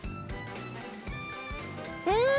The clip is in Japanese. うん！